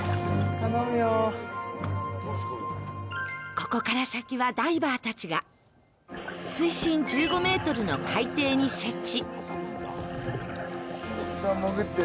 ここから先はダイバーたちが水深１５ｍの海底に設置。